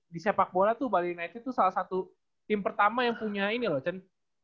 di sepak bola tuh bali united tuh salah satu tim pertama yang punya ini loh cen